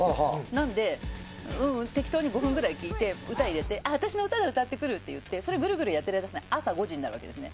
なので、適当に５分くらい聞いて歌を入れて私の歌だ！ってやってぐるぐるやってる間に朝５時になるわけですね。